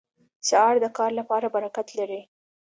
سهار د کار لپاره برکت لري.